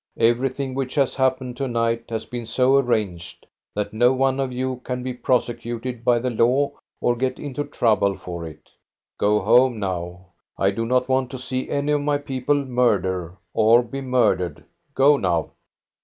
" Everything which has hap pened to night has been so arranged that no one of you can be prosecuted by the law or get into trouble 120 THE STORY OF GOSTA BE R LING for it. Go home now ! I do not want to see any of my people murder or be murdered. Go now